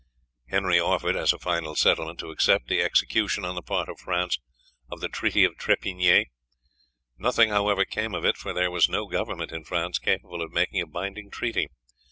Henry offered, as a final settlement, to accept the execution, on the part of France, of the treaty of Trepigny. Nothing, however, came of it, for there was no government in France capable of making a binding treaty.